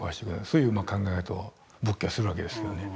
そういう考え方を仏教はするわけですけどね。